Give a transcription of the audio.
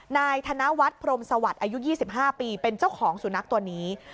นายธนวัฒน์พรมสวัสดิ์อายุ๒๕ปีเป็นเจ้าของสุนัขตัวนี้